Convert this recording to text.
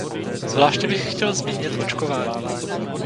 Zvláště bych chtěl zmínit očkování.